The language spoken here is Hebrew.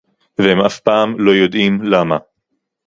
והם אף פעם לא יודעים למה